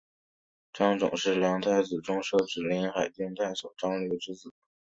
张种是梁太子中庶子临海郡太守张略之子。